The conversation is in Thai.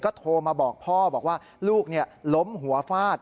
โทรมาบอกพ่อบอกว่าลูกล้มหัวฟาด